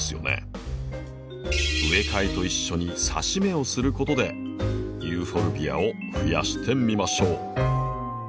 植え替えと一緒にさし芽をすることでユーフォルビアをふやしてみましょう。